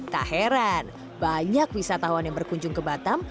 tak heran banyak wisatawan yang berkunjung ke batam